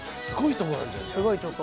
すごいとこ。